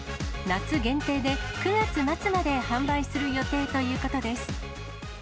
夏限定で、９月末まで販売する予定ということです。